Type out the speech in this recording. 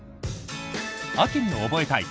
秋に覚えたい！